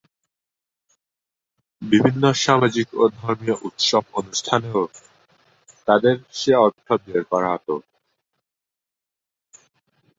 বিভিন্ন সামাজিক ও ধর্মীয় উৎসব-অনুষ্ঠানেও তাঁদের সে অর্থ ব্যয় করা হতো।